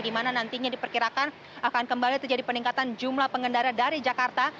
di mana nantinya diperkirakan akan kembali terjadi peningkatan jumlah pengendara dari jakarta